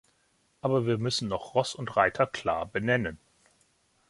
Aber wir müssen noch Ross und Reiter klar benennen.